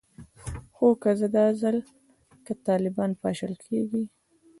خو که دا ځل که طالبان پاشل کیږي